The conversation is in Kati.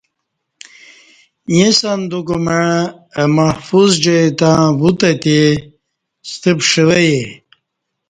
ییں صندوق مع اہ محفوظ جائی تہ وُتہتئے ستہ پݜوئے